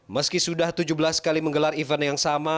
meski sudah tujuh belas kali menggelar event yang sama